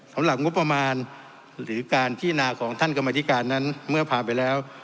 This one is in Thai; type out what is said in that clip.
สำหรับงบประมาณหรือการพินาของท่านกรรมธิการนั้นเมื่อผ่านไปแล้ว